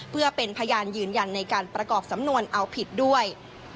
เพื่อเป็นพยานยืนยันในการประกอบสำนวนเอาผิดด้วย